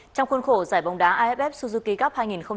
trong khuôn khổ giải bóng đá aff suzuki cup hai nghìn một mươi tám